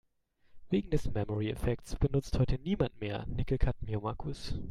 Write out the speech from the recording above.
Wegen des Memory-Effekts benutzt heute niemand mehr Nickel-Cadmium-Akkus.